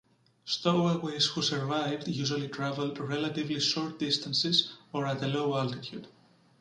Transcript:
Stowaways who survived usually traveled relatively short distances or at a low altitude.